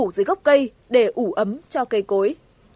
cây trồng dưới gốc cây để ủ ấm cho cây cối